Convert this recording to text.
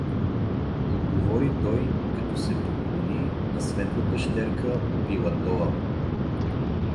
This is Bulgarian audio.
Отговори той, като се поклони на светлата щерка Пилатова.